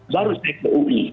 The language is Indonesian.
baru saya ke uni